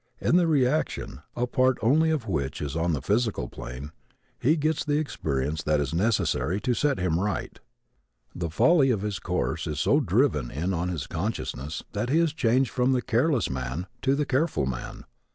In the reaction, a part only of which is on the physical plane, he gets the experience that is necessary to set him right. The folly of his course is so driven in on his consciousness that he is changed from the careless man to the careful man.